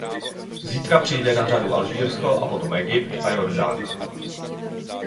Zítra přijde na řadu Alžírsko a potom Egypt a Jordánsko.